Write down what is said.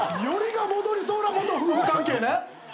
よりが戻りそうな元夫婦関係ね。